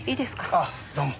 ああどうも。